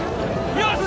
よし！